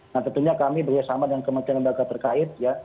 nah tentunya kami bersama dengan kementerian lembaga terkait